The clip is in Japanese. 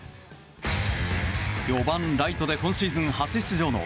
４番ライトで今シーズン初出場の